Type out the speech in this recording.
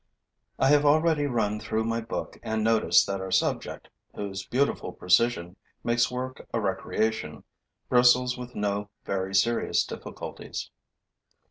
I have already run through my book and noticed that our subject, whose beautiful precision makes work a recreation, bristles with no very serious difficulties.